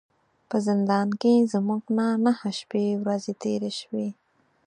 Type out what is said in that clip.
په زندان کې زموږ نه نهه شپې ورځې تیرې شوې.